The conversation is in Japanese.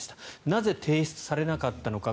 なぜ提出されなかったのか。